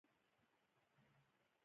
غږ د ستړي روح غږ دی